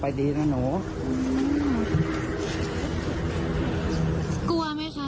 ไปดีนะหนู